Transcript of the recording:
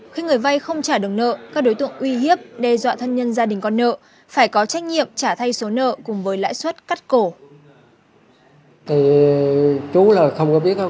khi người vay không trả được nợ các đối tượng uy hiếp đe dọa thân nhân gia đình con nợ phải có trách nhiệm trả thay số nợ cùng với lãi suất cắt cổ